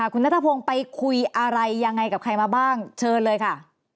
คุณนัทพงศ์ไปคุยอะไรยังไงกับใครมาบ้างเชิญเลยค่ะ